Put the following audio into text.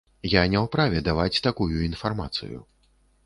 Я не ў праве даваць такую інфармацыю.